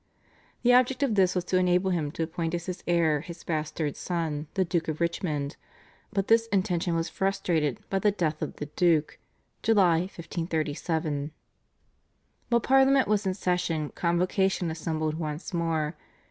The object of this was to enable him to appoint as his heir his bastard son, the Duke of Richmond, but this intention was frustrated by the death of the Duke (July 1537). While Parliament was in session Convocation assembled once more.